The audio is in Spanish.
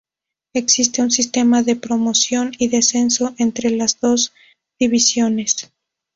Existe un sistema de promoción y descenso entre las dos divisiones.